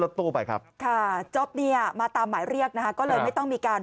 ตู้ไปครับค่ะจ๊อปเนี่ยมาตามหมายเรียกนะคะก็เลยไม่ต้องมีการ